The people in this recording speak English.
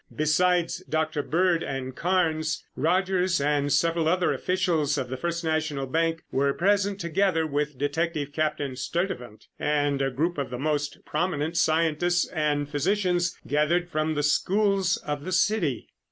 Besides Dr. Bird and Carnes, Rogers and several other officials of the First National Bank were present, together with Detective Captain Sturtevant and a group of the most prominent scientists and physicians gathered from the schools of the city.